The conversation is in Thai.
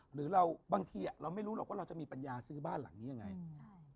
หรือเราบางทีอ่ะเราไม่รู้หรอกว่าเราจะมีปัญญาซื้อบ้านหลังนี้ยังไงใช่